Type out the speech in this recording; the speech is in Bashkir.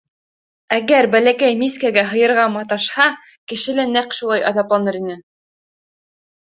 Әгәр бәләкәй мискәгә һыйырға маташһа, кеше лә нәҡ шулай аҙапланыр ине.